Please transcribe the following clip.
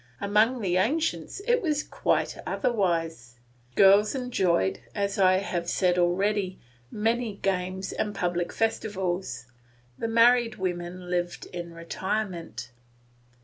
Among the ancients it was quite otherwise; girls enjoyed, as I have said already, many games and public festivals; the married women lived in retirement.